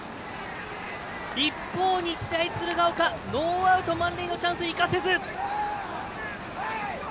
一方、日大鶴ヶ丘ノーアウト満塁のチャンスを生かせず。